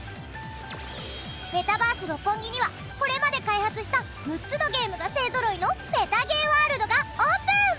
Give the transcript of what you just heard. メタバース六本木にはこれまで開発した６つのゲームが勢ぞろいのメタゲーワールドがオープン！